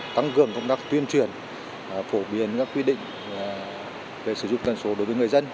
tăng cường công tác tuyên truyền phổ biến các quy định về sử dụng dân số đối với người dân